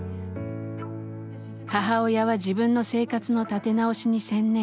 母親は自分の生活の立て直しに専念。